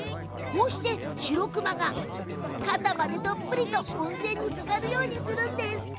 こうして、しろくまが肩までどっぷりと温泉につかるようにするんです。